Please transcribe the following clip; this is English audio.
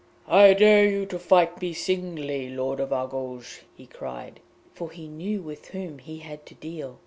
'I dare you to fight me singly, Lord of Argouges!' he cried, for he knew with whom he had to deal.